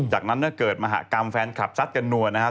จากนั้นเนี่ยเกิดมาหากรามแฟนคลับซัดกันหนัวนะฮะ